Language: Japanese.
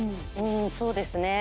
そうですね。